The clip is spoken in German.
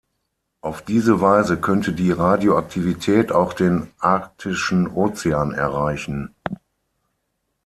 Auf diese Weise könnte die Radioaktivität auch den Arktischen Ozean erreichen.